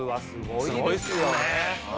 すごいっすよね。